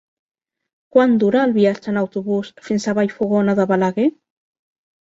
Quant dura el viatge en autobús fins a Vallfogona de Balaguer?